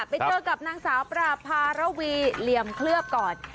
ไปเจอกับนางสาวปราภาระวีเหลี่ยมเคลือบก่อน